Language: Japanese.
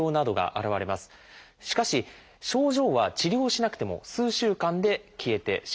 しかし症状は治療しなくても数週間で消えてしまうんです。